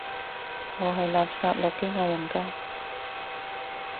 我係垃圾諾基亞用家